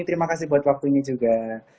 terima kasih buat waktunya juga